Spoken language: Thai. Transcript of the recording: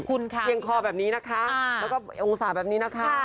คุณค่ะเพียงคอแบบนี้นะคะแล้วก็องศาแบบนี้นะคะ